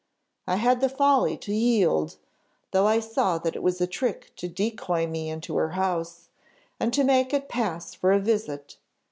I had the folly to yield, though I saw that it was a trick to decoy me into her house, and to make it pass for a visit.